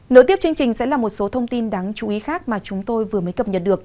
nửa tiếp chương trình sẽ là một số thông tin đáng chú ý khác mà chúng tôi vừa mới cập nhật được